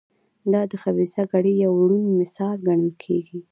دا د خبیثه کړۍ یو روڼ مثال ګڼل کېږي.